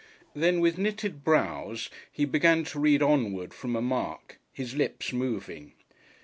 Then with knitted brows he began to read onward from a mark, his lips moving.